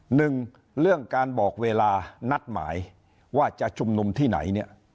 หนึ่งเรื่องการบอกเวลานัดหมายว่าจะชุมนุมที่ไหนเนี่ย